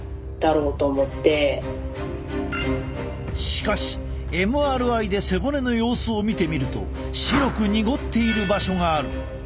しかしＭＲＩで背骨の様子を見てみると白く濁っている場所がある。